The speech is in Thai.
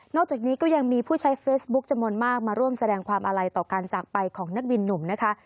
จากนี้ก็ยังมีผู้ใช้เฟซบุ๊คจำนวนมากมาร่วมแสดงความอาลัยต่อการจากไปของนักบินหนุ่มนะคะ